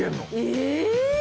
え⁉